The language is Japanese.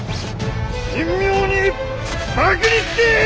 神妙に縛につけ！